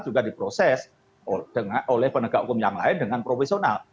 juga diproses oleh penegak hukum yang lain dengan profesional